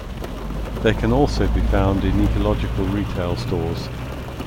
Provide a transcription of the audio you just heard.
They can also be found in ecological retail stores.